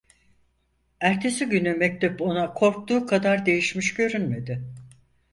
Ertesi günü mektep ona korktuğu kadar değişmiş görünmedi.